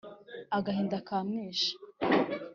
Agahinda kamwishe